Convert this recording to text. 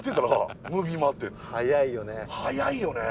早いよね。